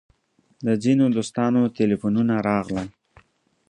د ځینو دوستانو تیلفونونه راغلل.